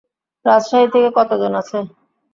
রাজশাহী থেকে কতজন আছে?